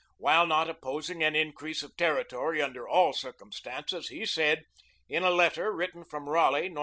While not opposing an increase of territory under all circumstances, he said, in a letter written from Raleigh, N.C.